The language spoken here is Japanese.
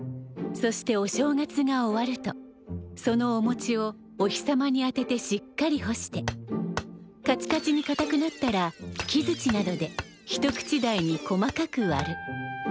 そしてお正月が終わるとそのおもちをお日様に当ててしっかり干してカチカチにかたくなったら木づちなどで一口大に細かく割る。